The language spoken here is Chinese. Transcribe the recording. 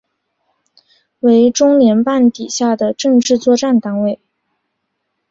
为中联办底下的政治作战单位。